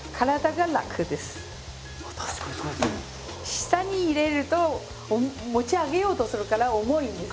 下に入れると持ち上げようとするから重いんですね。